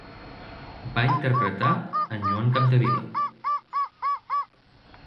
Va interpretar en Joan Capdevila.